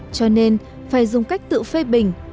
cho nên phải dùng cách tự phê bình